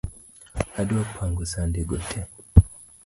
Adwa pango sande go tee .